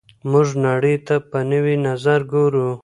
موږ نړۍ ته په نوي نظر ګورو.